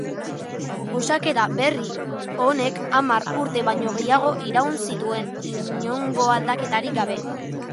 Osaketa berri honek hamar urte baino gehiago iraun zituen inongoaldaketarik gabe.